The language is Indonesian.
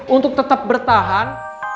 untuk tetap bertahan